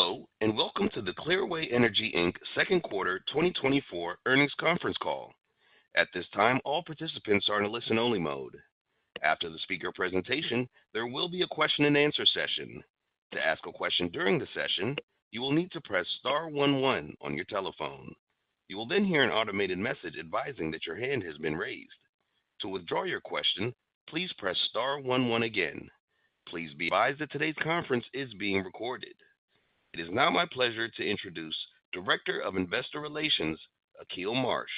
Hello, and welcome to the Clearway Energy, Inc Second Quarter 2024 Earnings Conference Call. At this time, all participants are in a listen-only mode. After the speaker presentation, there will be a question-and-answer session. To ask a question during the session, you will need to press star one one on your telephone. You will then hear an automated message advising that your hand has been raised. To withdraw your question, please press star one one again. Please be advised that today's conference is being recorded. It is now my pleasure to introduce Director of Investor Relations, Akil Marsh.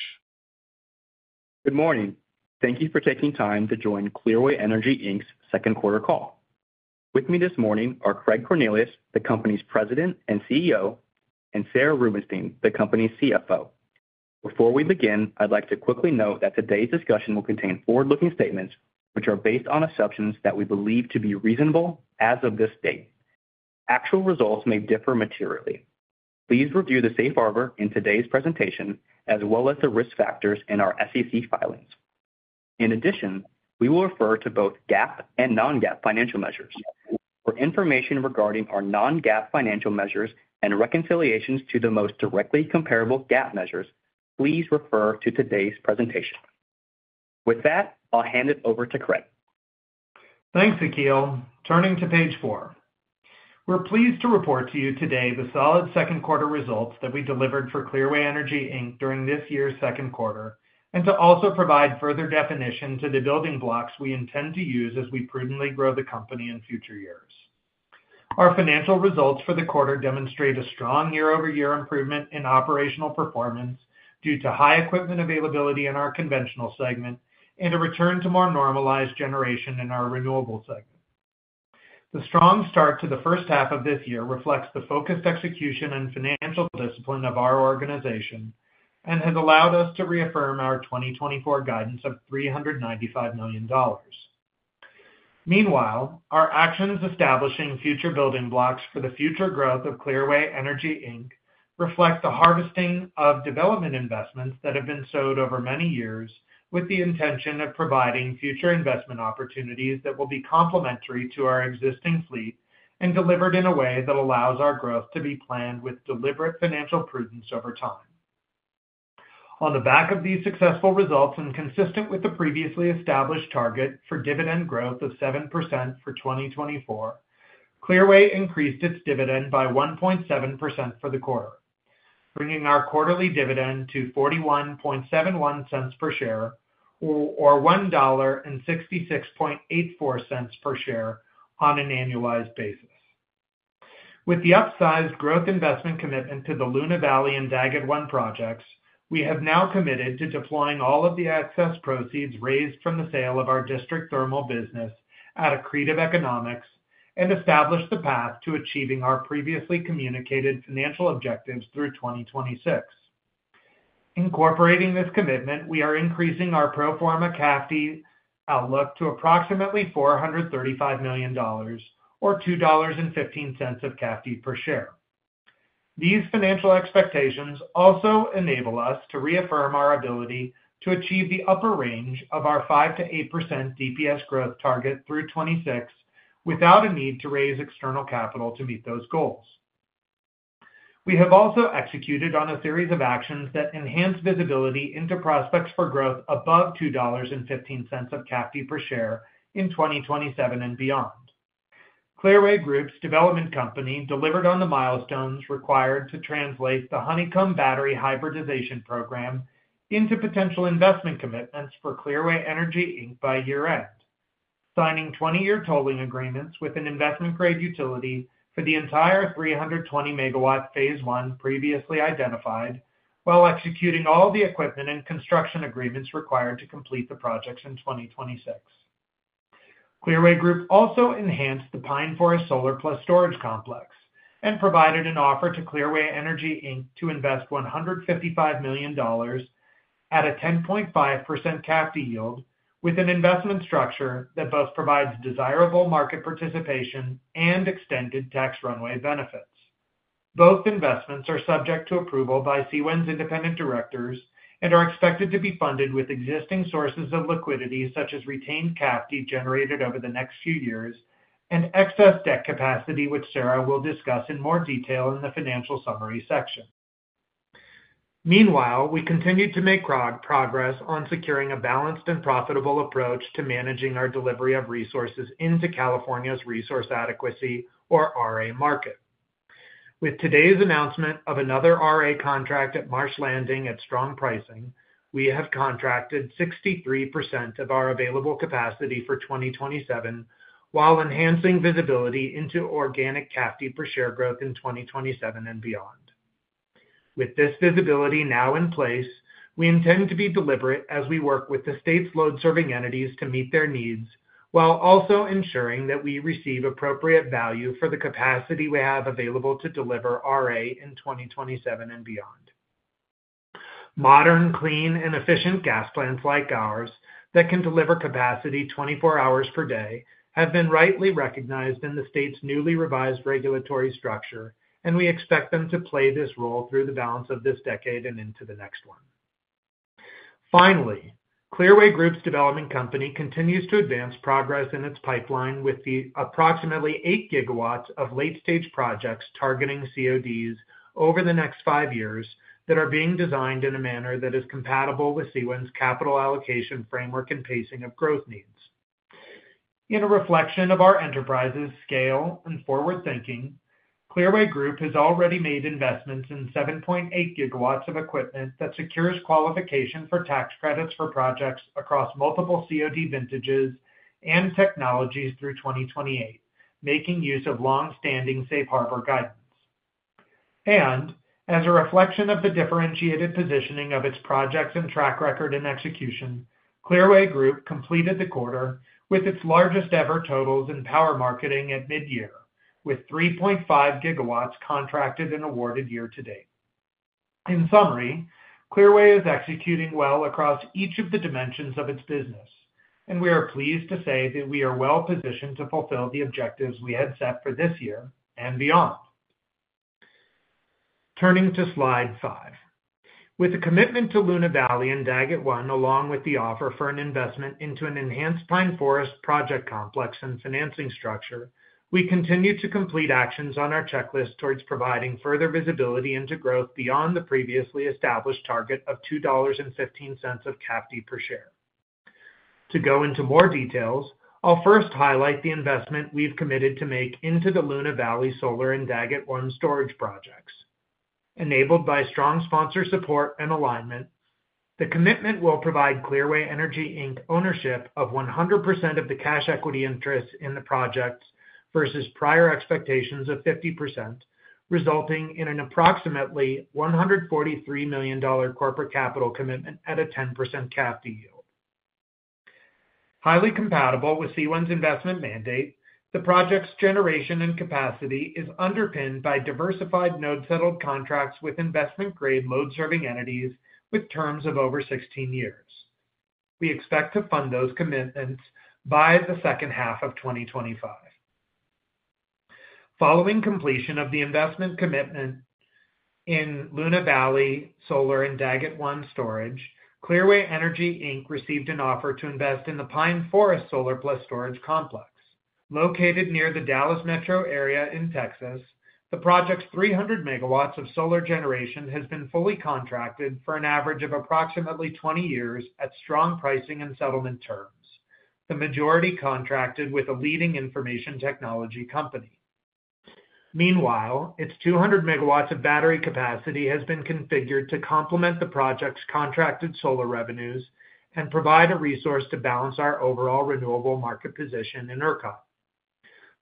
Good morning. Thank you for taking time to join Clearway Energy Inc's second quarter call. With me this morning are Craig Cornelius, the company's President and CEO, and Sarah Rubenstein, the company's CFO. Before we begin, I'd like to quickly note that today's discussion will contain forward-looking statements, which are based on assumptions that we believe to be reasonable as of this date. Actual results may differ materially. Please review the safe harbor in today's presentation, as well as the risk factors in our SEC filings. In addition, we will refer to both GAAP and non-GAAP financial measures. For information regarding our non-GAAP financial measures and reconciliations to the most directly comparable GAAP measures, please refer to today's presentation. With that, I'll hand it over to Craig. Thanks, Akil. Turning to page four. We're pleased to report to you today the solid second quarter results that we delivered for Clearway Energy, Inc during this year's second quarter, and to also provide further definition to the building blocks we intend to use as we prudently grow the company in future years. Our financial results for the quarter demonstrate a strong year-over-year improvement in operational performance due to high equipment availability in our conventional segment and a return to more normalized generation in our renewable segment. The strong start to the first half of this year reflects the focused execution and financial discipline of our organization and has allowed us to reaffirm our 2024 guidance of $395 million. Meanwhile, our actions establishing future building blocks for the future growth of Clearway Energy, Inc reflect the harvesting of development investments that have been sowed over many years with the intention of providing future investment opportunities that will be complementary to our existing fleet and delivered in a way that allows our growth to be planned with deliberate financial prudence over time. On the back of these successful results and consistent with the previously established target for dividend growth of 7% for 2024, Clearway increased its dividend by 1.7% for the quarter, bringing our quarterly dividend to $0.4171 per share, or, or $1.6684 per share on an annualized basis. With the upsized growth investment commitment to the Luna Valley and Daggett 1 projects, we have now committed to deploying all of the excess proceeds raised from the sale of our district thermal business at accretive economics and established the path to achieving our previously communicated financial objectives through 2026. Incorporating this commitment, we are increasing our pro forma CAFD outlook to approximately $435 million, or $2.15 of CAFD per share. These financial expectations also enable us to reaffirm our ability to achieve the upper range of our 5%-8% DPS growth target through 2026, without a need to raise external capital to meet those goals. We have also executed on a series of actions that enhance visibility into prospects for growth above $2.15 of CAFD per share in 2027 and beyond. Clearway Group's development company delivered on the milestones required to translate the Honeycomb Battery hybridization program into potential investment commitments for Clearway Energy Inc by year-end, signing 20-year term agreements with an investment-grade utility for the entire 320-MW phase I previously identified, while executing all the equipment and construction agreements required to complete the projects in 2026. Clearway Group also enhanced the Pine Forest Solar plus storage complex and provided an offer to Clearway Energy Inc to invest $155 million at a 10.5% CAFD yield, with an investment structure that both provides desirable market participation and extended tax runway benefits. Both investments are subject to approval by CWEN's independent directors and are expected to be funded with existing sources of liquidity, such as retained CAFD, generated over the next few years, and excess debt capacity, which Sarah will discuss in more detail in the financial summary section. Meanwhile, we continued to make progress on securing a balanced and profitable approach to managing our delivery of resources into California's Resource Adequacy, or RA, market. With today's announcement of another RA contract at Marsh Landing at strong pricing, we have contracted 63% of our available capacity for 2027, while enhancing visibility into organic CAFD per share growth in 2027 and beyond. With this visibility now in place, we intend to be deliberate as we work with the state's load-serving entities to meet their needs, while also ensuring that we receive appropriate value for the capacity we have available to deliver RA in 2027 and beyond. Modern, clean, and efficient gas plants like ours that can deliver capacity 24 hours per day, have been rightly recognized in the state's newly revised regulatory structure, and we expect them to play this role through the balance of this decade and into the next one. Finally, Clearway Group's development company continues to advance progress in its pipeline with the approximately 8 GW of late-stage projects targeting CODs over the next 5 years, that are being designed in a manner that is compatible with CWEN's capital allocation framework and pacing of growth needs. In a reflection of our enterprise's scale and forward-thinking, Clearway Group has already made investments in 7.8 GW of equipment that secures qualification for tax credits for projects across multiple COD vintages and technologies through 2028, making use of long-standing safe harbor guidance. As a reflection of the differentiated positioning of its projects and track record and execution, Clearway Group completed the quarter with its largest-ever totals in power marketing at mid-year, with 3.5 GW contracted and awarded year-to-date. In summary, Clearway is executing well across each of the dimensions of its business, and we are pleased to say that we are well positioned to fulfill the objectives we had set for this year and beyond. Turning to Slide 5. With a commitment to Luna Valley Solar and Daggett 1, along with the offer for an investment into an enhanced Pine Forest Solar project complex and financing structure, we continue to complete actions on our checklist towards providing further visibility into growth beyond the previously established target of $2.15 of CAFD per share. To go into more details, I'll first highlight the investment we've committed to make into the Luna Valley Solar and Daggett 1 storage projects. Enabled by strong sponsor support and alignment, the commitment will provide Clearway Energy, Inc ownership of 100% of the cash equity interest in the projects, versus prior expectations of 50%, resulting in an approximately $143 million corporate capital commitment at a 10% CAFD yield. Highly compatible with CWEN's investment mandate, the project's generation and capacity is underpinned by diversified node-settled contracts with investment-grade load-serving entities with terms of over 16 years. We expect to fund those commitments by the second half of 2025. Following completion of the investment commitment in Luna Valley Solar and Daggett 1 storage, Clearway Energy, Inc, received an offer to invest in the Pine Forest Solar plus storage complex. Located near the Dallas metro area in Texas, the project's 300 MW of solar generation has been fully contracted for an average of approximately 20 years at strong pricing and settlement terms, the majority contracted with a leading information technology company. Meanwhile, its 200 MW of battery capacity has been configured to complement the project's contracted solar revenues and provide a resource to balance our overall renewable market position in ERCOT.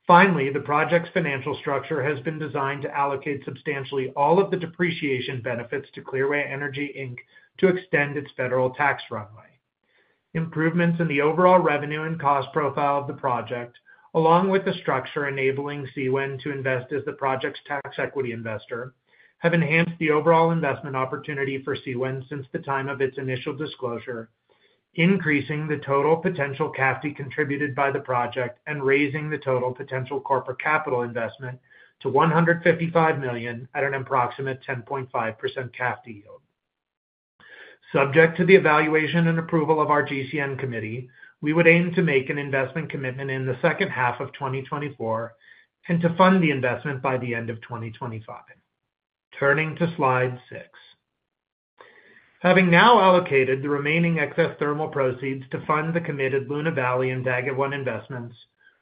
Finally, the project's financial structure has been designed to allocate substantially all of the depreciation benefits to Clearway Energy, Inc to extend its federal tax runway. Improvements in the overall revenue and cost profile of the project, along with the structure enabling CWEN to invest as the project's tax equity investor, have enhanced the overall investment opportunity for CWEN since the time of its initial disclosure, increasing the total potential CAFD contributed by the project and raising the total potential corporate capital investment to $155 million at an approximate 10.5% CAFD yield. Subject to the evaluation and approval of our GCN committee, we would aim to make an investment commitment in the second half of 2024 and to fund the investment by the end of 2025. Turning to Slide 6. Having now allocated the remaining excess thermal proceeds to fund the committed Luna Valley and Daggett 1 investments,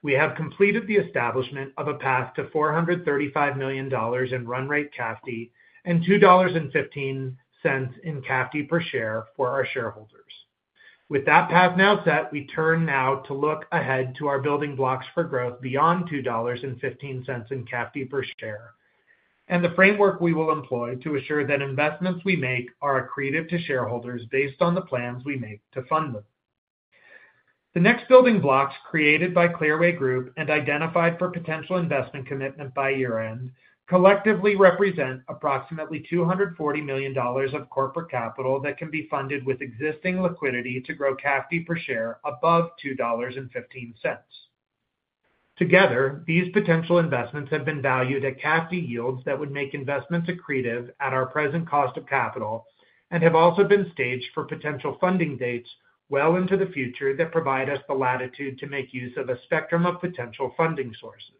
we have completed the establishment of a path to $435 million in run rate CAFD and $2.15 in CAFD per share for our shareholders. With that path now set, we turn now to look ahead to our building blocks for growth beyond $2.15 in CAFD per share, and the framework we will employ to assure that investments we make are accretive to shareholders based on the plans we make to fund them. The next building blocks, created by Clearway Group and identified for potential investment commitment by year-end, collectively represent approximately $240 million of corporate capital that can be funded with existing liquidity to grow CAFD per share above $2.15. Together, these potential investments have been valued at CAFD yields that would make investments accretive at our present cost of capital and have also been staged for potential funding dates well into the future that provide us the latitude to make use of a spectrum of potential funding sources.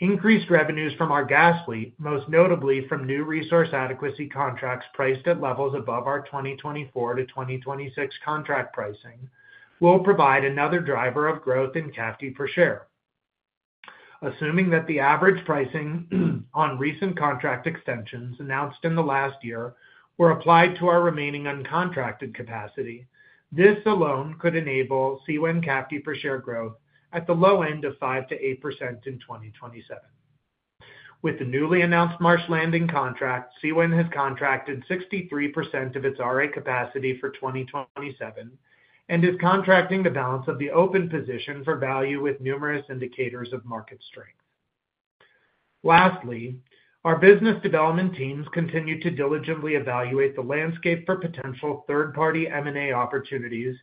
Increased revenues from our gas fleet, most notably from new resource adequacy contracts priced at levels above our 2024-2026 contract pricing, will provide another driver of growth in CAFD per share. Assuming that the average pricing on recent contract extensions announced in the last year were applied to our remaining uncontracted capacity, this alone could enable CWEN CAFD per share growth at the low end of 5%-8% in 2027. With the newly announced Marsh Landing contract, CWEN has contracted 63% of its RA capacity for 2027 and is contracting the balance of the open position for value with numerous indicators of market strength. Lastly, our business development teams continue to diligently evaluate the landscape for potential third-party M&A opportunities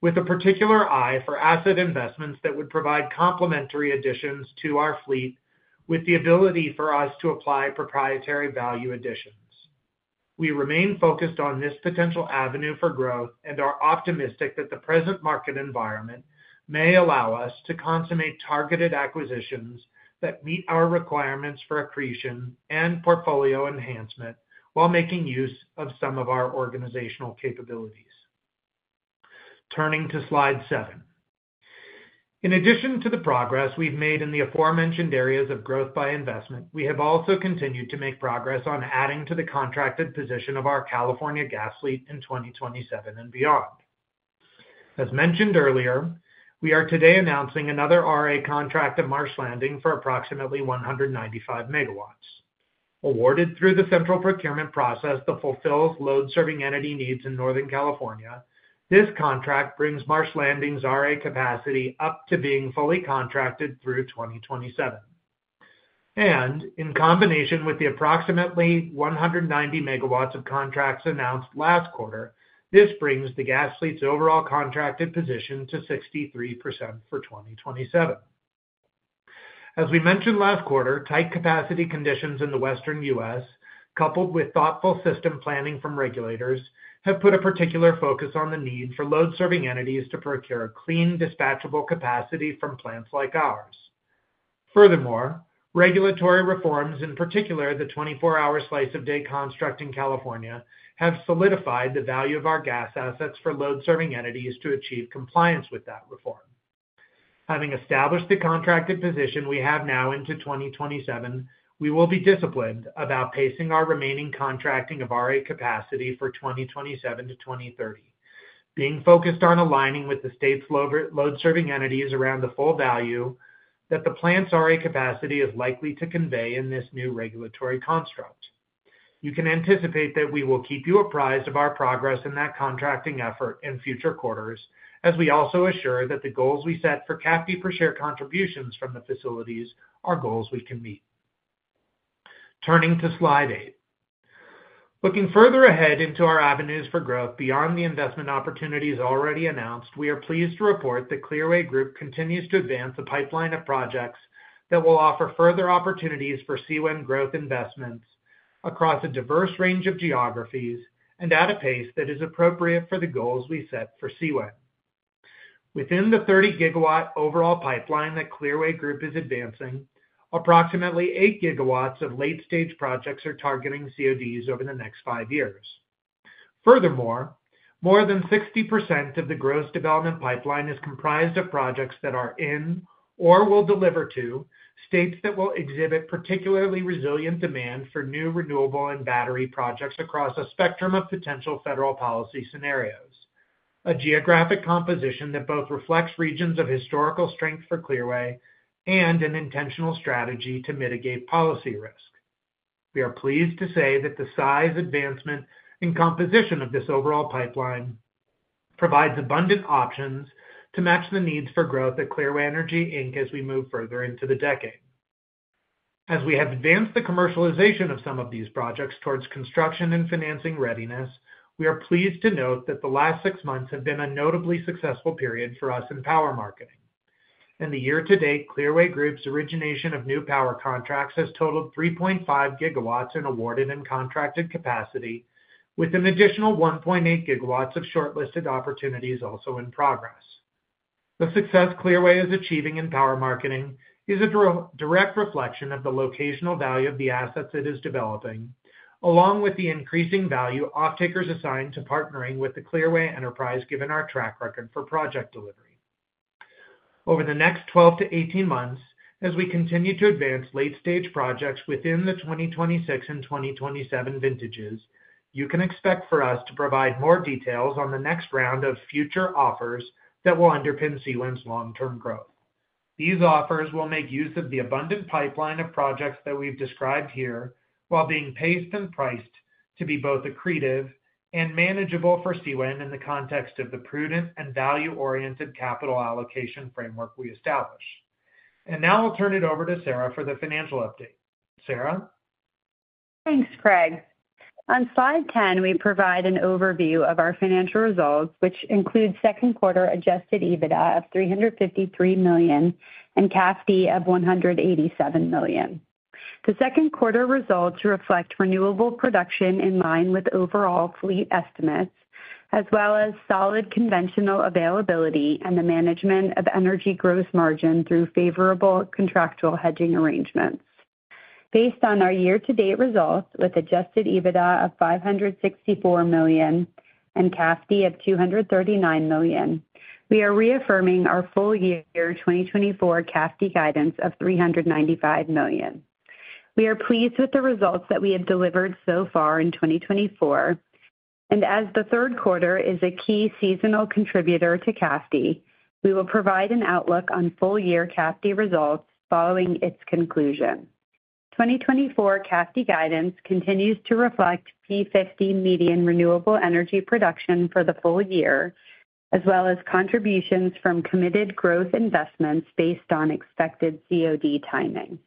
with a particular eye for asset investments that would provide complementary additions to our fleet with the ability for us to apply proprietary value additions. We remain focused on this potential avenue for growth and are optimistic that the present market environment may allow us to consummate targeted acquisitions that meet our requirements for accretion and portfolio enhancement, while making use of some of our organizational capabilities. Turning to Slide 7. In addition to the progress we've made in the aforementioned areas of growth by investment, we have also continued to make progress on adding to the contracted position of our California gas fleet in 2027 and beyond. As mentioned earlier, we are today announcing another RA contract at Marsh Landing for approximately 195 MWs. Awarded through the central procurement process that fulfills load-serving entity needs in Northern California, this contract brings Marsh Landing's RA capacity up to being fully contracted through 2027. In combination with the approximately 190 MWs of contracts announced last quarter, this brings the gas fleet's overall contracted position to 63% for 2027. As we mentioned last quarter, tight capacity conditions in the Western U.S., coupled with thoughtful system planning from regulators, have put a particular focus on the need for load serving entities to procure clean, dispatchable capacity from plants like ours. Furthermore, regulatory reforms, in particular, the 24-hour Slice of Day construct in California, have solidified the value of our gas assets for load serving entities to achieve compliance with that reform. Having established the contracted position we have now into 2027, we will be disciplined about pacing our remaining contracting of RA capacity for 2027 to 2030, being focused on aligning with the state's load, load serving entities around the full value that the plant's RA capacity is likely to convey in this new regulatory construct. You can anticipate that we will keep you apprised of our progress in that contracting effort in future quarters, as we also assure that the goals we set for CAFD per share contributions from the facilities are goals we can meet. Turning to Slide eight. Looking further ahead into our avenues for growth beyond the investment opportunities already announced, we are pleased to report that Clearway Group continues to advance a pipeline of projects that will offer further opportunities for CWEN growth investments across a diverse range of geographies and at a pace that is appropriate for the goals we set for CWEN. Within the 30-gigawatt overall pipeline that Clearway Group is advancing, approximately 8 GW of late-stage projects are targeting CODs over the next five years. Furthermore, more than 60% of the gross development pipeline is comprised of projects that are in or will deliver to states that will exhibit particularly resilient demand for new, renewable, and battery projects across a spectrum of potential federal policy scenarios. A geographic composition that both reflects regions of historical strength for Clearway and an intentional strategy to mitigate policy risk. We are pleased to say that the size, advancement, and composition of this overall pipeline provides abundant options to match the needs for growth at Clearway Energy, Inc as we move further into the decade. As we have advanced the commercialization of some of these projects towards construction and financing readiness, we are pleased to note that the last six months have been a notably successful period for us in power marketing. In the year-to-date, Clearway Group's origination of new power contracts has totaled 3.5 GW in awarded and contracted capacity, with an additional 1.8 GW of shortlisted opportunities also in progress. The success Clearway is achieving in power marketing is a direct reflection of the locational value of the assets it is developing, along with the increasing value offtakers assigned to partnering with the Clearway Enterprise, given our track record for project delivery. Over the next 12-18 months, as we continue to advance late-stage projects within the 2026 and 2027 vintages, you can expect for us to provide more details on the next round of future offers that will underpin CWEN's long-term growth. These offers will make use of the abundant pipeline of projects that we've described here, while being paced and priced to be both accretive and manageable for CWEN in the context of the prudent and value-oriented capital allocation framework we established. Now I'll turn it over to Sarah for the financial update. Sarah? Thanks, Craig. On Slide 10, we provide an overview of our financial results, which include second quarter adjusted EBITDA of $353 million and CAFD of $187 million. The second quarter results reflect renewable production in line with overall fleet estimates, as well as solid conventional availability and the management of energy gross margin through favorable contractual hedging arrangements. Based on our year-to-date results, with adjusted EBITDA of $564 million and CAFD of $239 million, we are reaffirming our full year 2024 CAFD guidance of $395 million. We are pleased with the results that we have delivered so far in 2024, and as the third quarter is a key seasonal contributor to CAFD, we will provide an outlook on full-year CAFD results following its conclusion. 2024 CAFD guidance continues to reflect P50 median renewable energy production for the full year, as well as contributions from committed growth investments based on expected COD timing.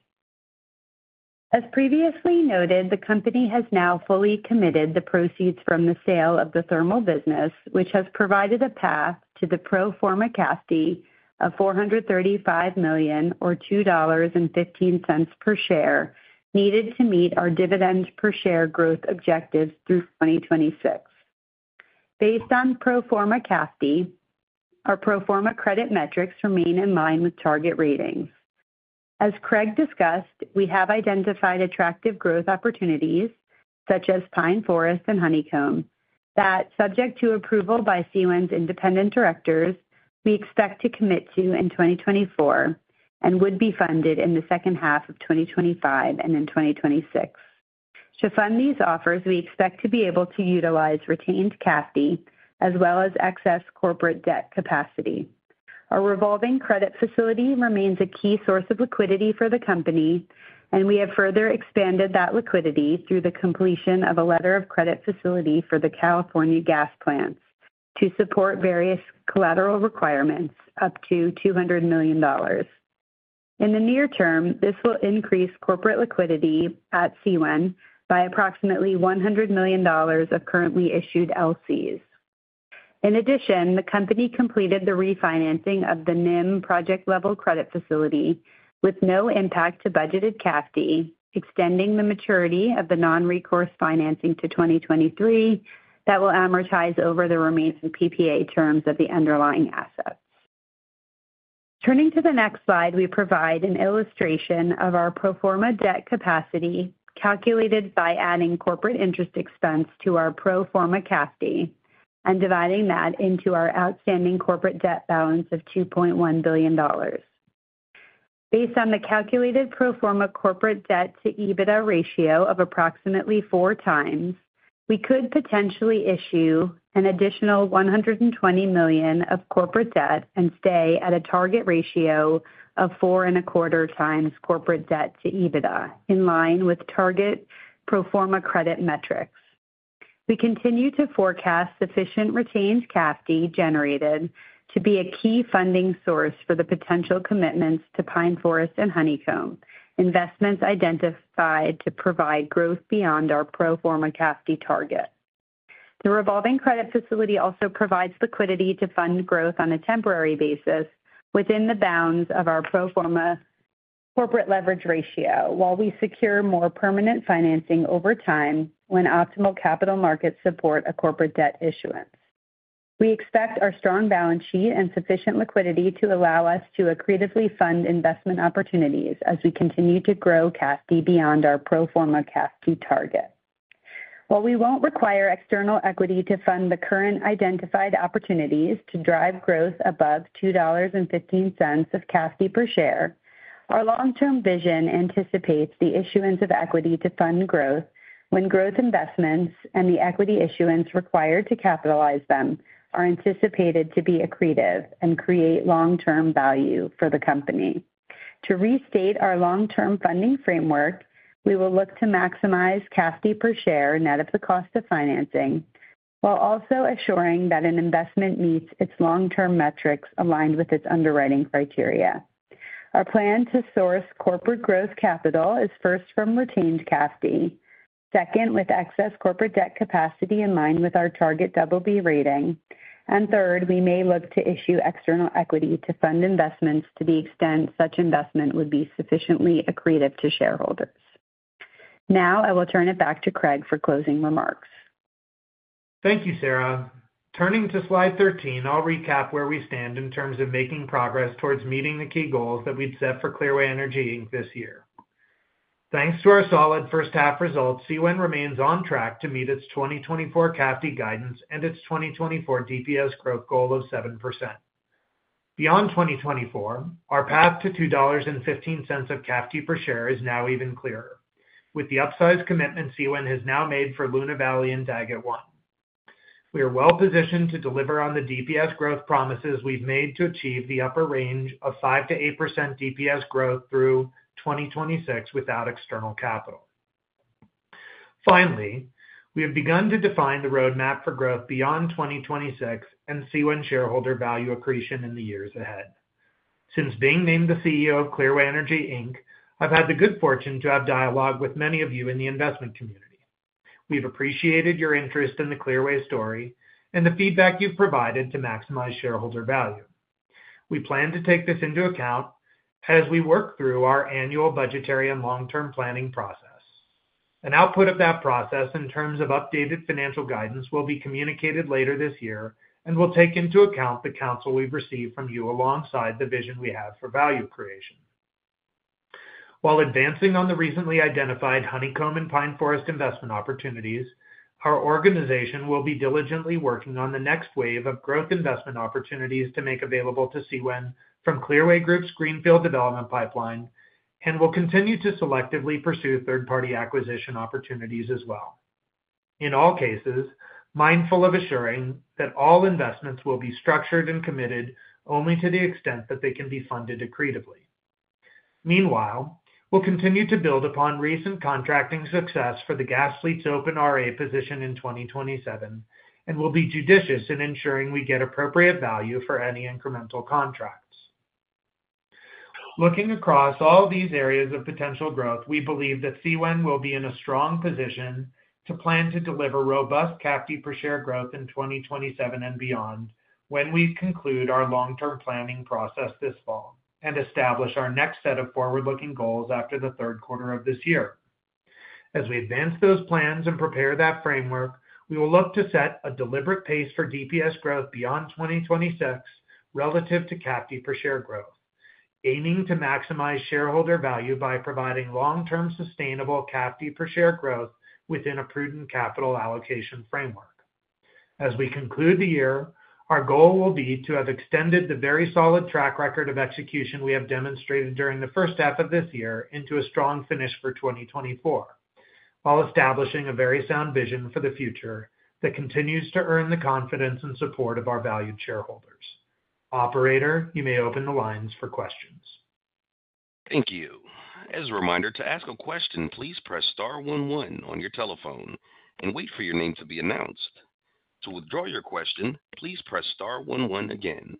As previously noted, the company has now fully committed the proceeds from the sale of the thermal business, which has provided a path to the pro forma CAFD of $435 million, or $2.15 per share, needed to meet our dividend per share growth objectives through 2026. Based on pro forma CAFD, our pro forma credit metrics remain in line with target ratings. As Craig discussed, we have identified attractive growth opportunities, such as Pine Forest and Honeycomb, that, subject to approval by Clearway's independent directors, we expect to commit to in 2024 and would be funded in the second half of 2025 and in 2026. To fund these offers, we expect to be able to utilize retained CAFD as well as excess corporate debt capacity. Our revolving credit facility remains a key source of liquidity for the company, and we have further expanded that liquidity through the completion of a letter of credit facility for the California gas plants to support various collateral requirements up to $200 million. In the near term, this will increase corporate liquidity at CWEN by approximately $100 million of currently issued LCs. In addition, the company completed the refinancing of the MIM project-level credit facility with no impact to budgeted CAFD, extending the maturity of the non-recourse financing to 2023 that will amortize over the remaining PPA terms of the underlying assets. Turning to the next slide, we provide an illustration of our pro forma debt capacity, calculated by adding corporate interest expense to our pro forma CAFD and dividing that into our outstanding corporate debt balance of $2.1 billion. Based on the calculated pro forma corporate debt to EBITDA ratio of approximately 4x, we could potentially issue an additional $120 million of corporate debt and stay at a target ratio of 4.25x corporate debt to EBITDA, in line with target pro forma credit metrics. We continue to forecast sufficient retained CAFD generated to be a key funding source for the potential commitments to Pine Forest and Honeycomb, investments identified to provide growth beyond our pro forma CAFD target. The revolving credit facility also provides liquidity to fund growth on a temporary basis within the bounds of our pro forma corporate leverage ratio, while we secure more permanent financing over time when optimal capital markets support a corporate debt issuance. We expect our strong balance sheet and sufficient liquidity to allow us to accretively fund investment opportunities as we continue to grow CAFD beyond our pro forma CAFD target. While we won't require external equity to fund the current identified opportunities to drive growth above $2.15 of CAFD per share, our long-term vision anticipates the issuance of equity to fund growth when growth investments and the equity issuance required to capitalize them are anticipated to be accretive and create long-term value for the company. To restate our long-term funding framework, we will look to maximize CAFD per share net of the cost of financing, while also assuring that an investment meets its long-term metrics aligned with its underwriting criteria. Our plan to source corporate growth capital is first from retained CAFD, second, with excess corporate debt capacity in line with our target BB rating, and third, we may look to issue external equity to fund investments to the extent such investment would be sufficiently accretive to shareholders. Now, I will turn it back to Craig for closing remarks. Thank you, Sarah. Turning to slide 13, I'll recap where we stand in terms of making progress towards meeting the key goals that we'd set for Clearway Energy, Inc this year. Thanks to our solid first half results, CWEN remains on track to meet its 2024 CAFD guidance and its 2024 DPS growth goal of 7%. Beyond 2024, our path to $2.15 of CAFD per share is now even clearer. With the upsized commitment, CWEN has now made for Luna Valley and Daggett 1. We are well positioned to deliver on the DPS growth promises we've made to achieve the upper range of 5%-8% DPS growth through 2026 without external capital. Finally, we have begun to define the roadmap for growth beyond 2026 and CWEN shareholder value accretion in the years ahead. Since being named the CEO of Clearway Energy, Inc, I've had the good fortune to have dialogue with many of you in the investment community. We've appreciated your interest in the Clearway story and the feedback you've provided to maximize shareholder value. We plan to take this into account as we work through our annual budgetary and long-term planning process. An output of that process in terms of updated financial guidance will be communicated later this year and will take into account the counsel we've received from you alongside the vision we have for value creation. While advancing on the recently identified Honeycomb and Pine Forest investment opportunities, our organization will be diligently working on the next wave of growth investment opportunities to make available to CWEN from Clearway Group's greenfield development pipeline, and we'll continue to selectively pursue third-party acquisition opportunities as well. In all cases, mindful of assuring that all investments will be structured and committed only to the extent that they can be funded accretively. Meanwhile, we'll continue to build upon recent contracting success for the gas fleet's open RA position in 2027, and we'll be judicious in ensuring we get appropriate value for any incremental contract. Looking across all these areas of potential growth, we believe that CWEN will be in a strong position to plan to deliver robust CAFD per share growth in 2027 and beyond, when we conclude our long-term planning process this fall and establish our next set of forward-looking goals after the third quarter of this year. As we advance those plans and prepare that framework, we will look to set a deliberate pace for DPS growth beyond 2026 relative to CAFD per share growth, aiming to maximize shareholder value by providing long-term sustainable CAFD per share growth within a prudent capital allocation framework. As we conclude the year, our goal will be to have extended the very solid track record of execution we have demonstrated during the first half of this year into a strong finish for 2024, while establishing a very sound vision for the future that continues to earn the confidence and support of our valued shareholders. Operator, you may open the lines for questions. Thank you. As a reminder, to ask a question, please press star one one on your telephone and wait for your name to be announced. To withdraw your question, please press star one one again.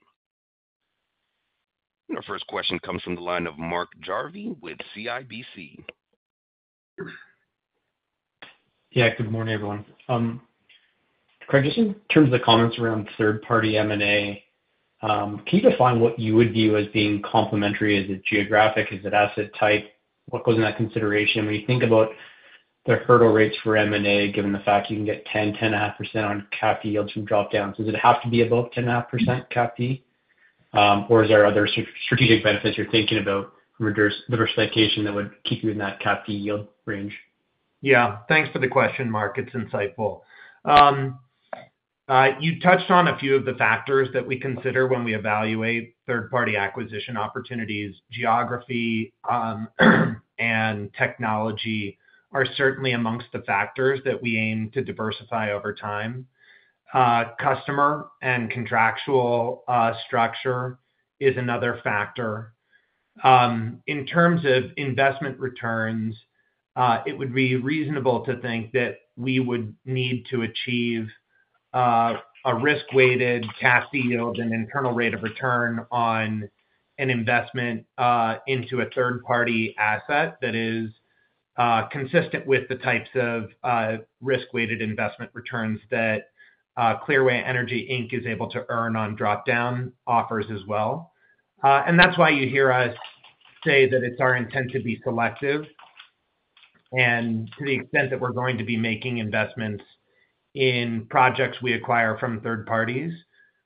Our first question comes from the line of Mark Jarvie with CIBC. Yeah, good morning, everyone. Craig, just in terms of the comments around third-party M&A, can you define what you would view as being complementary? Is it geographic? Is it asset type? What goes in that consideration when you think about the hurdle rates for M&A, given the fact you can get 10, 10.5% on CAFD yields from drop-downs, does it have to be above 10.5% CAFD, or is there other strategic benefits you're thinking about, reducing diversification that would keep you in that CAFD yield range? Yeah. Thanks for the question, Mark. It's insightful. You touched on a few of the factors that we consider when we evaluate third-party acquisition opportunities. Geography, and technology are certainly amongst the factors that we aim to diversify over time. Customer and contractual, structure is another factor. In terms of investment returns, it would be reasonable to think that we would need to achieve, a risk-weighted CAFD yield and internal rate of return on an investment, into a third-party asset that is, consistent with the types of, risk-weighted investment returns that, Clearway Energy Inc is able to earn on drop-down offers as well. And that's why you hear us say that it's our intent to be selective. To the extent that we're going to be making investments in projects we acquire from third parties,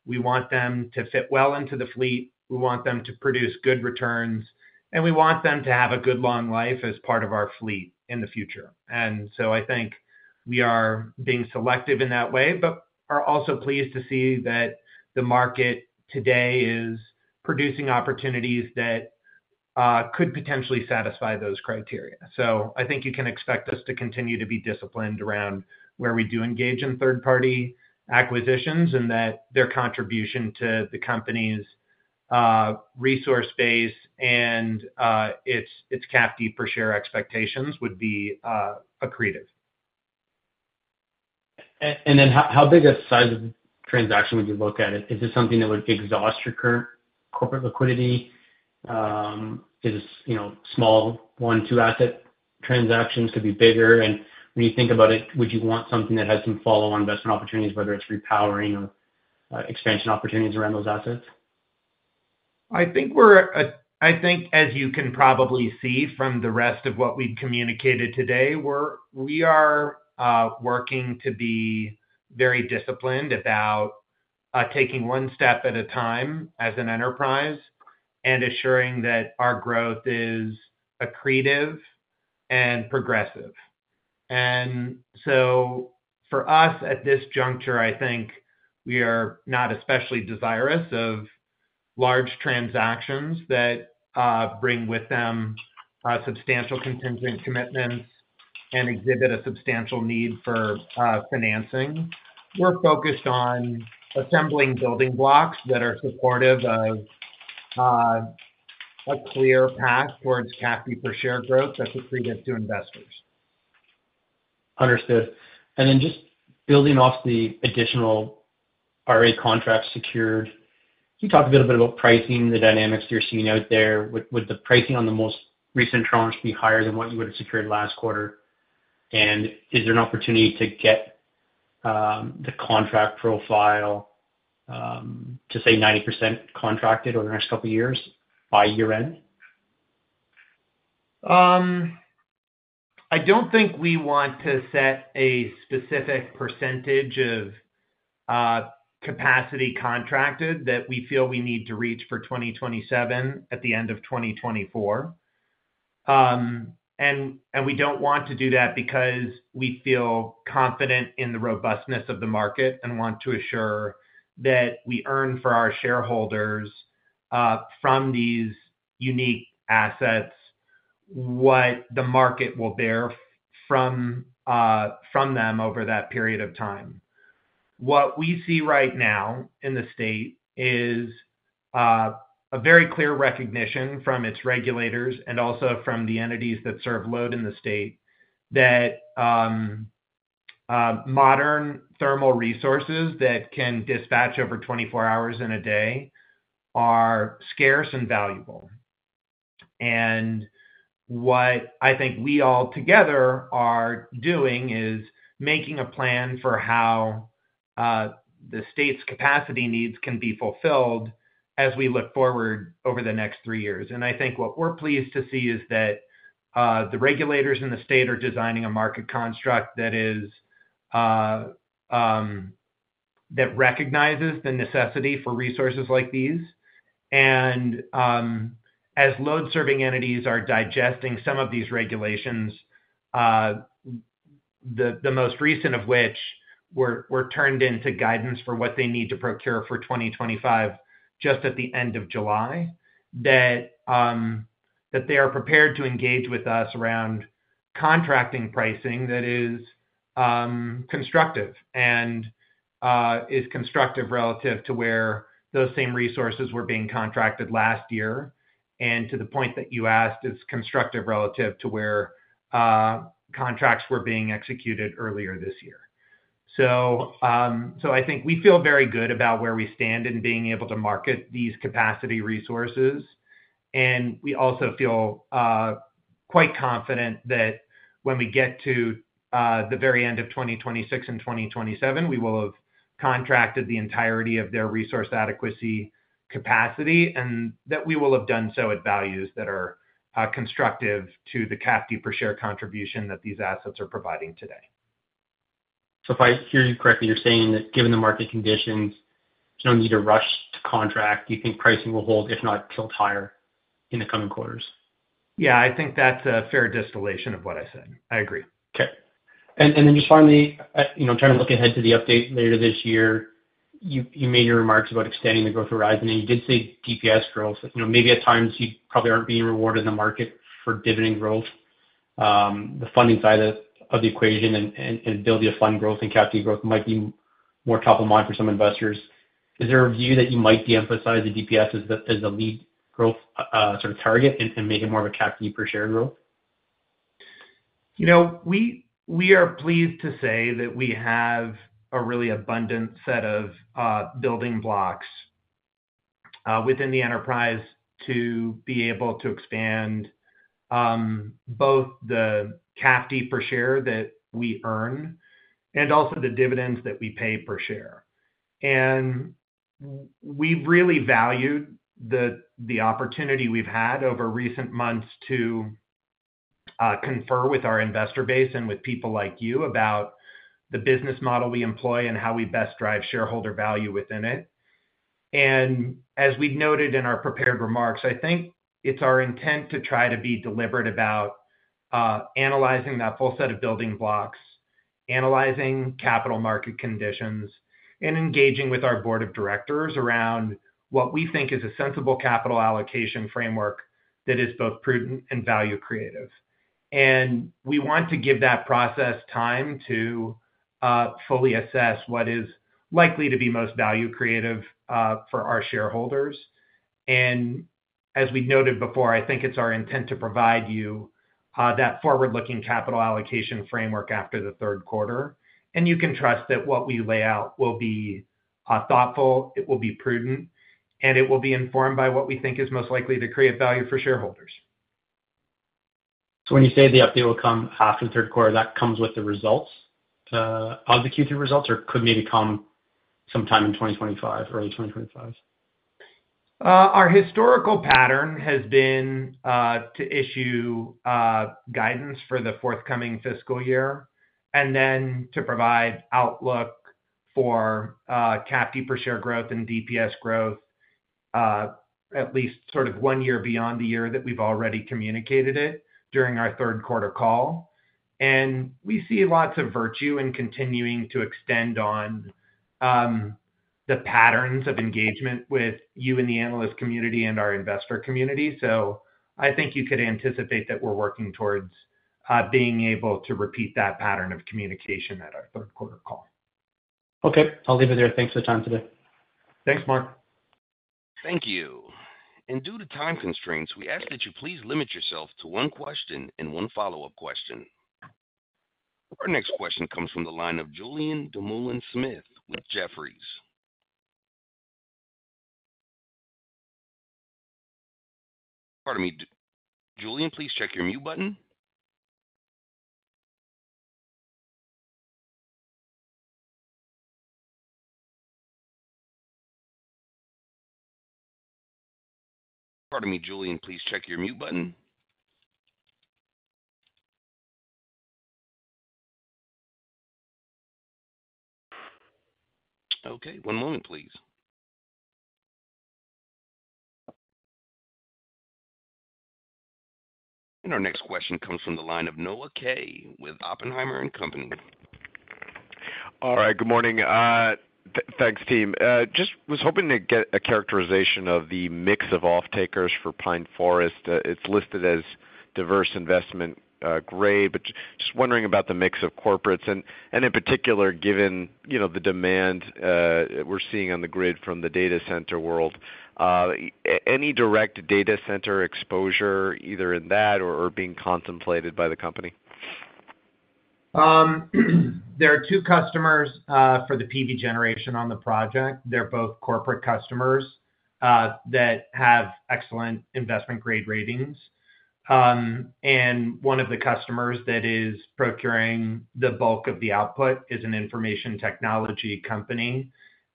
we want them to fit well into the fleet, we want them to produce good returns, and we want them to have a good long life as part of our fleet in the future. So I think we are being selective in that way, but are also pleased to see that the market today is producing opportunities that could potentially satisfy those criteria. So I think you can expect us to continue to be disciplined around where we do engage in third-party acquisitions, and that their contribution to the company's resource base and its CAFD per share expectations would be accretive. And then how big a size of transaction would you look at it? Is this something that would exhaust your current corporate liquidity? You know, small one, two asset transactions, could be bigger, and when you think about it, would you want something that has some follow-on investment opportunities, whether it's repowering or expansion opportunities around those assets? I think, as you can probably see from the rest of what we've communicated today, we are working to be very disciplined about taking one step at a time as an enterprise and assuring that our growth is accretive and progressive. And so for us, at this juncture, I think we are not especially desirous of large transactions that bring with them substantial contingent commitments and exhibit a substantial need for financing. We're focused on assembling building blocks that are supportive of a clear path towards CAFD per share growth that's accretive to investors. Understood. And then just building off the additional RA contracts secured, can you talk a little bit about pricing, the dynamics you're seeing out there? Would the pricing on the most recent tranche be higher than what you would have secured last quarter? And is there an opportunity to get the contract profile to, say, 90% contracted over the next couple of years by year-end? I don't think we want to set a specific percentage of capacity contracted that we feel we need to reach for 2027 at the end of 2024. And we don't want to do that because we feel confident in the robustness of the market and want to assure that we earn for our shareholders from these unique assets, what the market will bear from them over that period of time. What we see right now in the state is a very clear recognition from its regulators and also from the entities that serve load in the state, that modern thermal resources that can dispatch over 24 hours in a day are scarce and valuable. What I think we all together are doing is making a plan for how the state's capacity needs can be fulfilled as we look forward over the next three years. I think what we're pleased to see is that the regulators in the state are designing a market construct that is that recognizes the necessity for resources like these. As load-serving entities are digesting some of these regulations, the most recent of which were turned into guidance for what they need to procure for 2025, just at the end of July, that they are prepared to engage with us around contracting pricing that is constructive. And, is constructive relative to where those same resources were being contracted last year, and to the point that you asked, is constructive relative to where, contracts were being executed earlier this year. So, so I think we feel very good about where we stand in being able to market these capacity resources. And we also feel, quite confident that when we get to, the very end of 2026 and 2027, we will have contracted the entirety of their resource adequacy capacity, and that we will have done so at values that are, constructive to the CAFD per share contribution that these assets are providing today. So if I hear you correctly, you're saying that given the market conditions, there's no need to rush to contract. Do you think pricing will hold, if not tilt higher in the coming quarters? Yeah, I think that's a fair distillation of what I said. I agree. Okay. And then just finally, you know, trying to look ahead to the update later this year, you made your remarks about extending the growth horizon, and you did say DPS growth. You know, maybe at times you probably aren't being rewarded in the market for dividend growth, the funding side of the equation and ability to fund growth and CAFD growth might be more top of mind for some investors. Is there a view that you might deemphasize the DPS as the lead growth sort of target and make it more of a CAFD per share growth? You know, we are pleased to say that we have a really abundant set of building blocks within the enterprise to be able to expand both the CAFD per share that we earn and also the dividends that we pay per share. And we've really valued the opportunity we've had over recent months to confer with our investor base and with people like you about the business model we employ and how we best drive shareholder value within it. And as we've noted in our prepared remarks, I think it's our intent to try to be deliberate about analyzing that full set of building blocks, analyzing capital market conditions, and engaging with our board of directors around what we think is a sensible capital allocation framework that is both prudent and value creative. We want to give that process time to fully assess what is likely to be most value creative for our shareholders. As we noted before, I think it's our intent to provide you that forward-looking capital allocation framework after the third quarter, and you can trust that what we lay out will be thoughtful, it will be prudent, and it will be informed by what we think is most likely to create value for shareholders. So when you say the update will come after the third quarter, that comes with the results of the Q3 results, or could maybe come sometime in 2025, early 2025? Our historical pattern has been to issue guidance for the forthcoming fiscal year, and then to provide outlook for CAFD per share growth and DPS growth at least sort of one year beyond the year that we've already communicated it during our third quarter call. We see lots of virtue in continuing to extend on the patterns of engagement with you and the analyst community and our investor community. I think you could anticipate that we're working towards being able to repeat that pattern of communication at our third quarter call. Okay. I'll leave it there. Thanks for the time today. Thanks, Mark. Thank you. Due to time constraints, we ask that you please limit yourself to one question and one follow-up question. Our next question comes from the line of Julian Dumoulin-Smith with Jefferies. Pardon me, Julian, please check your mute button. Pardon me, Julian, please check your mute button. Okay, one moment, please. And our next question comes from the line of Noah Kaye with Oppenheimer and Company. All right. Good morning. Thanks, team. Just was hoping to get a characterization of the mix of off-takers for Pine Forest. It's listed as diverse investment-grade, but just wondering about the mix of corporates and, and in particular, given, you know, the demand we're seeing on the grid from the data center world, any direct data center exposure, either in that or, or being contemplated by the company? .There are two customers for the PV generation on the project. They're both corporate customers that have excellent investment-grade ratings. And one of the customers that is procuring the bulk of the output is an information technology company,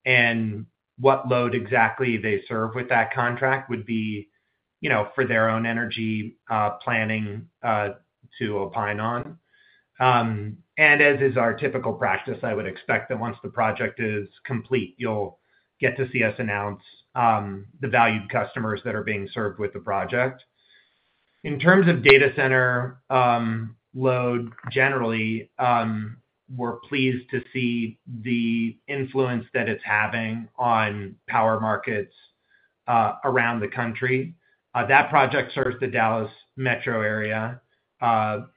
and what load exactly they serve with that contract would be, you know, for their own energy planning to opine on. And as is our typical practice, I would expect that once the project is complete, you'll get to see us announce the valued customers that are being served with the project. In terms of data center load, generally, we're pleased to see the influence that it's having on power markets around the country. That project serves the Dallas metro area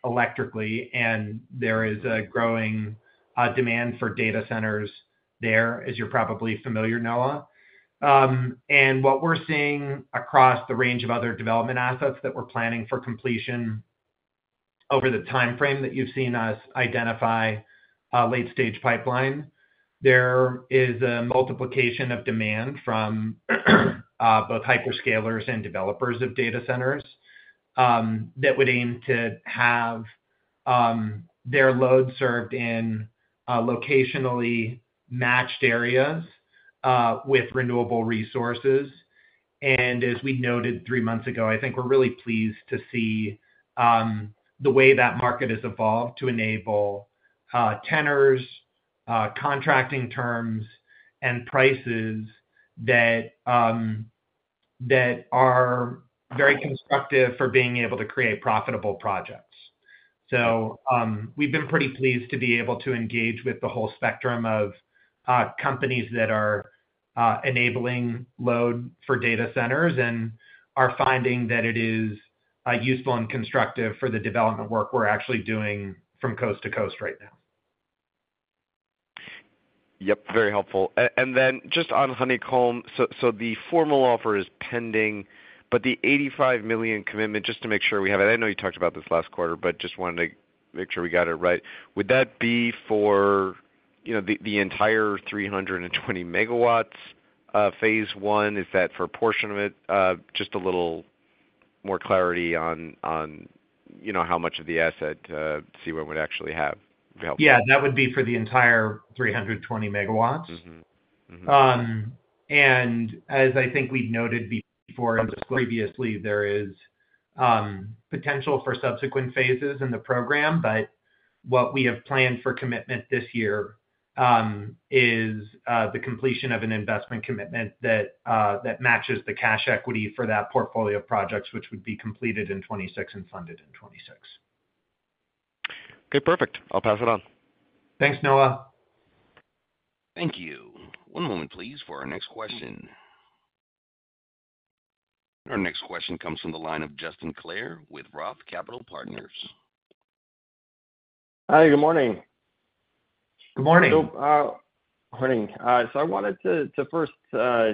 electrically, and there is a growing demand for data centers there, as you're probably familiar, Noah. And what we're seeing across the range of other development assets that we're planning for completion over the timeframe that you've seen us identify, late-stage pipeline, there is a multiplication of demand from both hyperscalers and developers of data centers that would aim to have their load served in locationally matched areas with renewable resources. As we noted three months ago, I think we're really pleased to see the way that market has evolved to enable tenors, contracting terms, and prices that are very constructive for being able to create profitable projects. So, we've been pretty pleased to be able to engage with the whole spectrum of companies that are enabling load for data centers and are finding that it is useful and constructive for the development work we're actually doing from coast to coast right now. Yep, very helpful. And then just on Honeycomb, so the formal offer is pending, but the $85 million commitment, just to make sure we have it. I know you talked about this last quarter, but just wanted to make sure we got it right. Would that be for, you know, the entire 300 MW phase I? Is that for a portion of it? Just a little more clarity on, you know, how much of the asset CWEN would actually have would be helpful. Yeah, that would be for the entire 320 MW. Mm-hmm. Mm-hmm. And as I think we've noted before previously, there is potential for subsequent phases in the program, but what we have planned for commitment this year is the completion of an investment commitment that matches the cash equity for that portfolio of projects, which would be completed in 2026 and funded in 2026. Okay, perfect. I'll pass it on. Thanks, Noah. Thank you. One moment, please, for our next question. Our next question comes from the line of Justin Clare with ROTH Capital Partners. Hi, good morning. Good morning. So, morning. So I wanted to first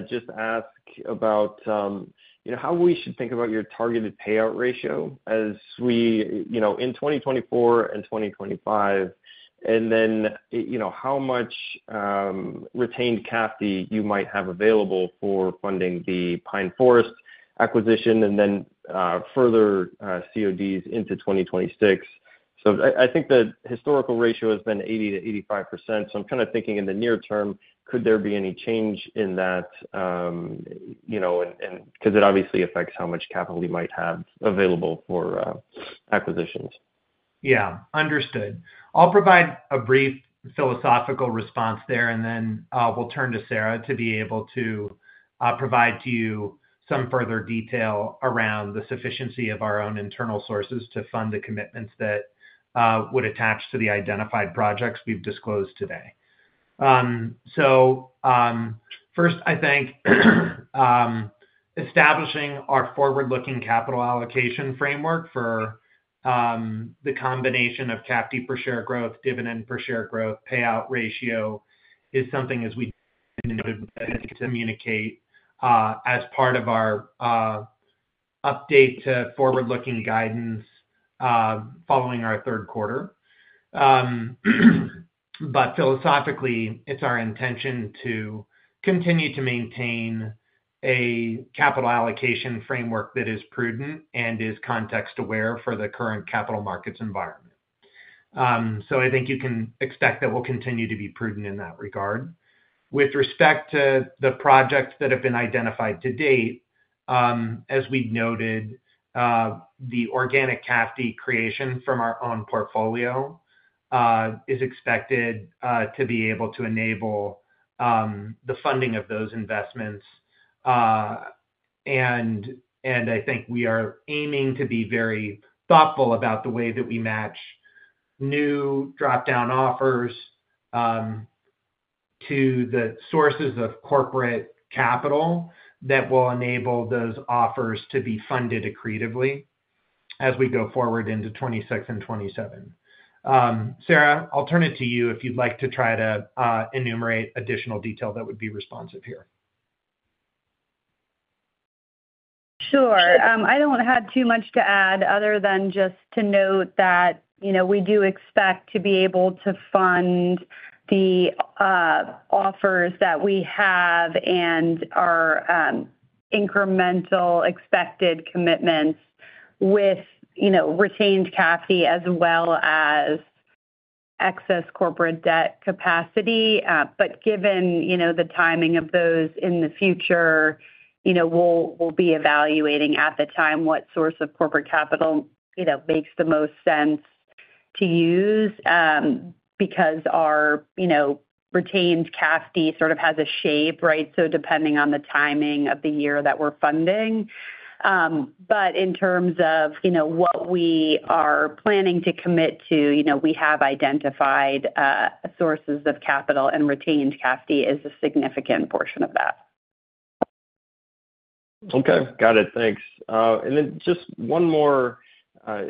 just ask about, you know, how we should think about your targeted payout ratio as we... You know, in 2024 and 2025, and then, you know, how much retained CAFD you might have available for funding the Pine Forest acquisition and then, further, CODs into 2026. So I think the historical ratio has been 80%-85%, so I'm kind of thinking in the near term, could there be any change in that, you know, and because it obviously affects how much capital you might have available for acquisitions? Yeah. Understood. I'll provide a brief philosophical response there, and then we'll turn to Sarah to be able to provide to you some further detail around the sufficiency of our own internal sources to fund the commitments that would attach to the identified projects we've disclosed today. First, I think establishing our forward-looking capital allocation framework for the combination of CAFD per share growth, dividend per share growth, payout ratio, is something as we communicate as part of our update to forward-looking guidance following our third quarter. But philosophically, it's our intention to continue to maintain a capital allocation framework that is prudent and is context-aware for the current capital markets environment. I think you can expect that we'll continue to be prudent in that regard. With respect to the projects that have been identified to date, as we've noted, the organic CAFD creation from our own portfolio is expected to be able to enable the funding of those investments. I think we are aiming to be very thoughtful about the way that we match new drop-down offers to the sources of corporate capital that will enable those offers to be funded accretively as we go forward into 2026 and 2027. Sarah, I'll turn it to you if you'd like to try to enumerate additional detail that would be responsive here. Sure. I don't have too much to add other than just to note that, you know, we do expect to be able to fund the offers that we have and our incremental expected commitments with, you know, retained CAFD as well as excess corporate debt capacity. But given, you know, the timing of those in the future, you know, we'll, we'll be evaluating at the time what source of corporate capital, you know, makes the most sense to use. Because our, you know, retained CAFD sort of has a shape, right? So depending on the timing of the year that we're funding. But in terms of, you know, what we are planning to commit to, you know, we have identified sources of capital, and retained CAFD is a significant portion of that. Okay, got it. Thanks. And then just one more.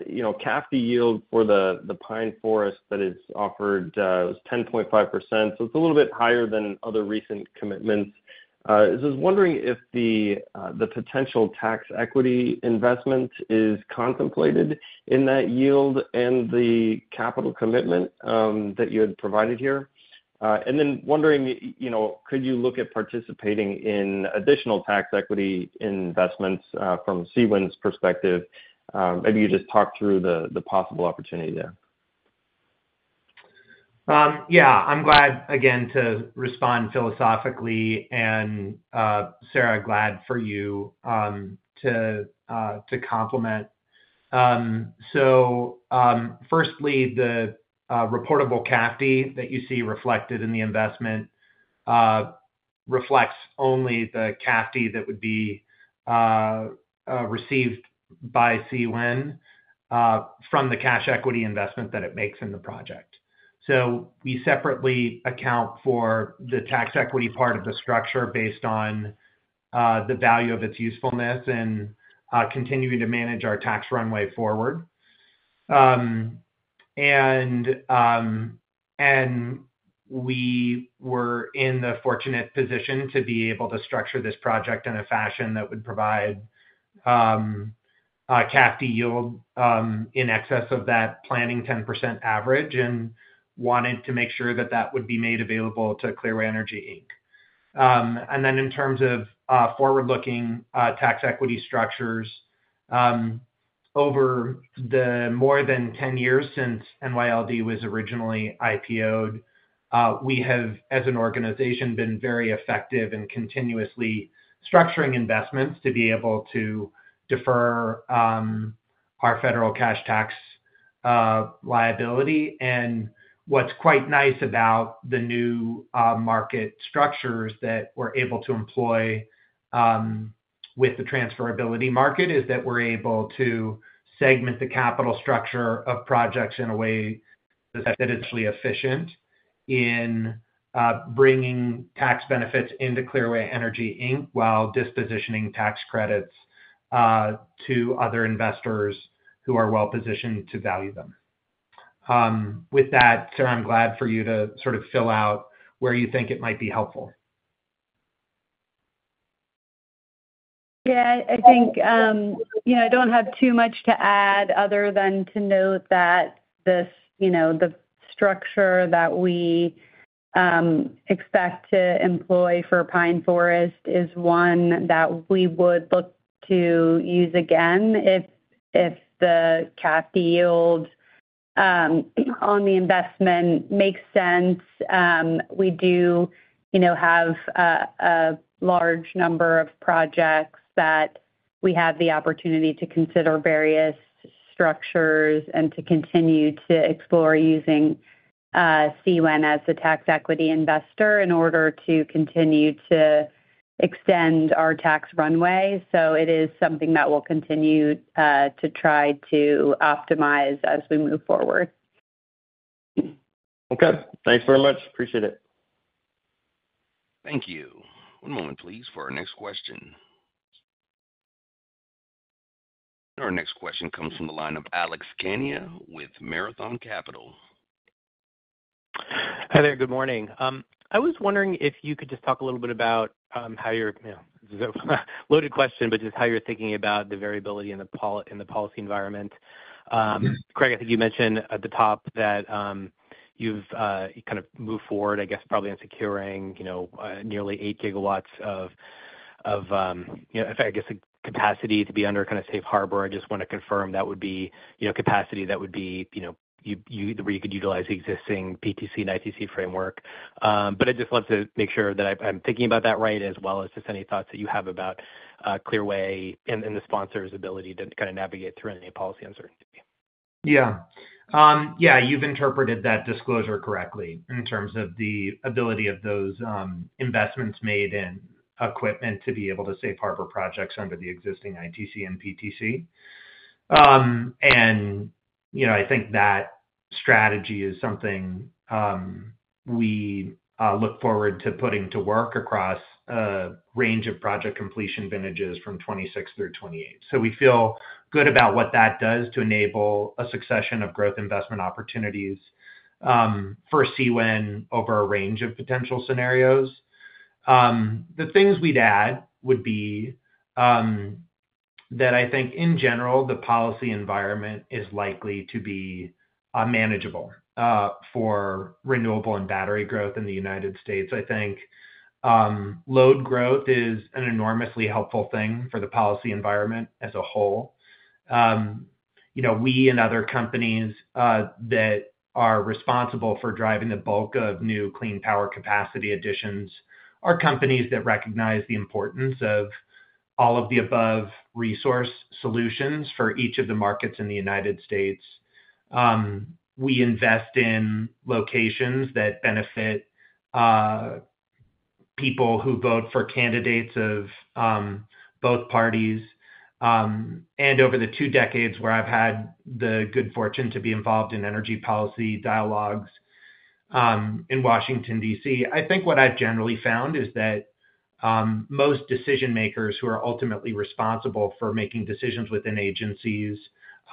You know, CAFD yield for the, the Pine Forest that is offered, was 10.5%, so it's a little bit higher than other recent commitments. I was just wondering if the, the potential tax equity investment is contemplated in that yield and the capital commitment, that you had provided here. And then wondering, you know, could you look at participating in additional tax equity investments, from CWEN's perspective? Maybe you just talk through the, the possible opportunity there. Yeah, I'm glad, again, to respond philosophically, and, Sarah, glad for you to complement. So, firstly, the reportable CAFD that you see reflected in the investment reflects only the CAFD that would be received by CWEN from the cash equity investment that it makes in the project. So we separately account for the tax equity part of the structure based on the value of its usefulness and continuing to manage our tax runway forward. And we were in the fortunate position to be able to structure this project in a fashion that would provide a CAFD yield in excess of that planning 10% average, and wanted to make sure that that would be made available to Clearway Energy, Inc And then in terms of forward-looking tax equity structures, over the more than 10 years since NYLD was originally IPO'd, we have, as an organization, been very effective in continuously structuring investments to be able to defer our federal cash tax liability. And what's quite nice about the new market structures that we're able to employ with the transferability market, is that we're able to segment the capital structure of projects in a way that is essentially efficient in bringing tax benefits into Clearway Energy Inc, while dispositioning tax credits to other investors who are well positioned to value them. With that, Sarah, I'm glad for you to sort of fill out where you think it might be helpful. Yeah, I think, you know, I don't have too much to add other than to note that this, you know, the structure that we expect to employ for Pine Forest is one that we would look to use again if the CAFD yield on the investment makes sense. We do, you know, have a large number of projects that we have the opportunity to consider various structures and to continue to explore using CWEN as the tax equity investor in order to continue to extend our tax runway. So it is something that we'll continue to try to optimize as we move forward. Okay. Thanks very much. Appreciate it. Thank you. One moment, please, for our next question. Our next question comes from the line of Alex Kania with Marathon Capital. Hi there. Good morning. I was wondering if you could just talk a little bit about, how your, you know, loaded question, but just how you're thinking about the variability in the policy environment. Craig, I think you mentioned at the top that, you've kind of moved forward, I guess, probably in securing, you know, nearly 8 GW of, you know, I guess, a capacity to be under kind of Safe Harbor. I just want to confirm that would be, you know, capacity that would be, you know, you, you-- where you could utilize the existing PTC and ITC framework. But I just want to make sure that I'm thinking about that right, as well as just any thoughts that you have about Clearway and the sponsor's ability to kind of navigate through any policy uncertainty. Yeah. Yeah, you've interpreted that disclosure correctly in terms of the ability of those investments made in equipment to be able to safe harbor projects under the existing ITC and PTC. And, you know, I think that strategy is something we look forward to putting to work across a range of project completion vintages from 2026 through 2028. So we feel good about what that does to enable a succession of growth investment opportunities for CEWN over a range of potential scenarios. The things we'd add would be that I think in general, the policy environment is likely to be manageable for renewable and battery growth in the United States. I think load growth is an enormously helpful thing for the policy environment as a whole. You know, we and other companies that are responsible for driving the bulk of new clean power capacity additions are companies that recognize the importance of all of the above resource solutions for each of the markets in the United States. We invest in locations that benefit people who vote for candidates of both parties. Over the two decades where I've had the good fortune to be involved in energy policy dialogues in Washington, D.C., I think what I've generally found is that most decision makers who are ultimately responsible for making decisions within agencies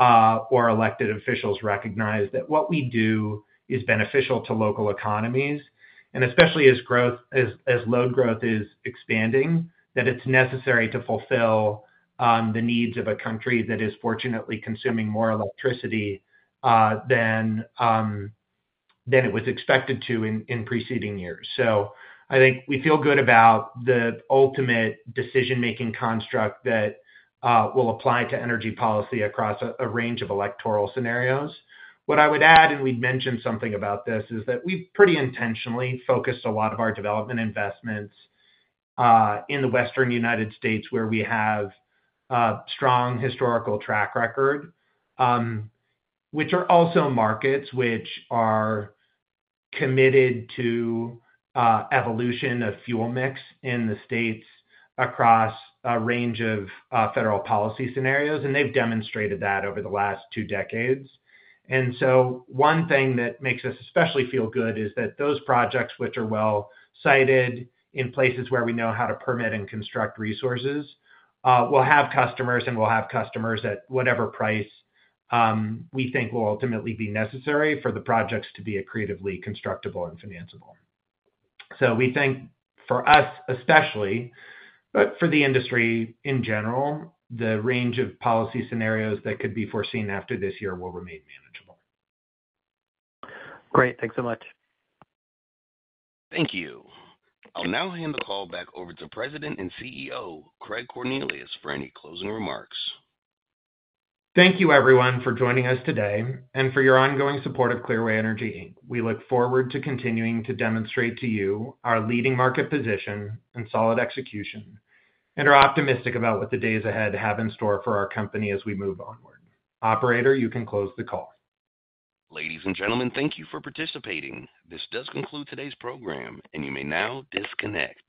or elected officials recognize that what we do is beneficial to local economies, and especially as load growth is expanding, that it's necessary to fulfill the needs of a country that is fortunately consuming more electricity than it was expected to in preceding years. So I think we feel good about the ultimate decision-making construct that will apply to energy policy across a range of electoral scenarios. What I would add, and we've mentioned something about this, is that we've pretty intentionally focused a lot of our development investments in the Western United States, where we have a strong historical track record, which are also markets which are committed to evolution of fuel mix in the states across a range of federal policy scenarios, and they've demonstrated that over the last two decades. And so one thing that makes us especially feel good is that those projects, which are well-sited in places where we know how to permit and construct resources, will have customers, and we'll have customers at whatever price we think will ultimately be necessary for the projects to be creatively constructable and financiable. So we think for us, especially, but for the industry in general, the range of policy scenarios that could be foreseen after this year will remain manageable. Great, thanks so much. Thank you. I'll now hand the call back over to President and CEO, Craig Cornelius, for any closing remarks. Thank you, everyone, for joining us today and for your ongoing support of Clearway Energy, Inc We look forward to continuing to demonstrate to you our leading market position and solid execution, and are optimistic about what the days ahead have in store for our company as we move onward. Operator, you can close the call. Ladies and gentlemen, thank you for participating. This does conclude today's program, and you may now disconnect.